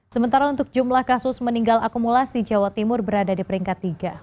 sementara untuk jumlah kasus meninggal akumulasi jawa timur berada di peringkat tiga